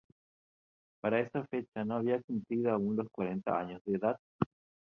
Para esa fecha no había cumplido aún los cuarenta años de edad.